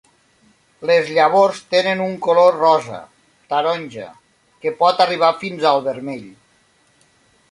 Les llavors tenen un color rosa, taronja que pot arribar fins al vermell.